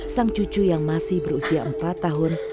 sang cucu yang masih berusia empat tahun